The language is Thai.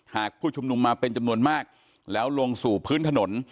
ผู้ชุมนุมมาเป็นจำนวนมากแล้วลงสู่พื้นถนน